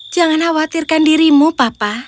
jangan khawatirkan dirimu papa